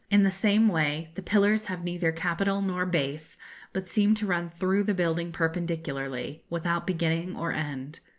In the same way, the pillars have neither capital nor base, but seem to run through the building perpendicularly, without beginning or end.